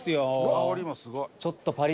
香りもすごい。